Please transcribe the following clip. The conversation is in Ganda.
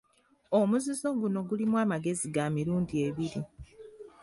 Omuzizo guno gulimu amagezi ga mirundi ebiri.